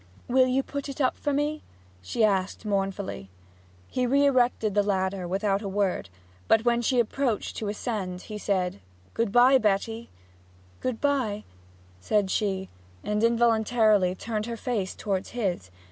'Will you put it up for me?' she asked mournfully. He re erected the ladder without a word; but when she approached to ascend he said, 'Good bye, Betty!' 'Good bye!' said she; and involuntarily turned her face towards his.